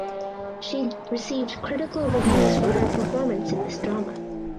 She received critical reviews for her performance in this drama.